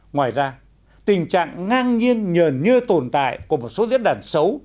ngoài ra tình trạng ngang nhiên nhờn như tồn tại của một số diễn đàn xấu